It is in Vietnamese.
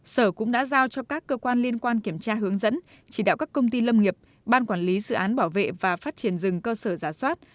sở cũng đã giao cho các cơ quan liên quan kiểm tra hướng dẫn chỉ đạo các công ty lâm nghiệp ban quản lý dự án bảo vệ và phát triển rừng cơ sở giả soát